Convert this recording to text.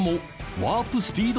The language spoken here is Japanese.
ワープスピード。